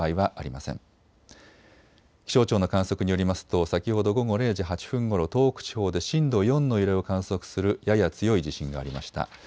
気象庁の観測によりますと先ほど午後０時８分ごろ、東北地方で震度４の揺れを観測するやや強い地震がありました。